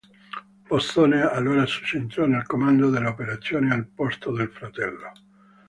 Bosone allora subentrò nel comando delle operazioni al posto del fratello.